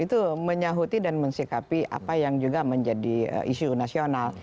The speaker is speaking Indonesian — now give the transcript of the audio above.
itu menyahuti dan mensikapi apa yang juga menjadi isu nasional